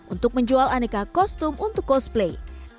untuk menjual aneka kostum untuk cosplay